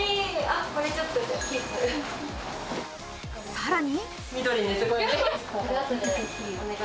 さらに。